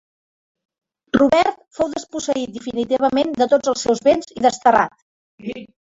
Robert fou desposseït definitivament de tots els seus béns i desterrat.